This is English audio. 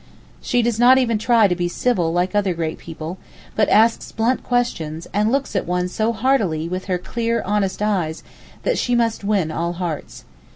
She does not even try to be civil like other great people, but asks blunt questions, and looks at one so heartily with her clear, honest eyes, that she must win all hearts.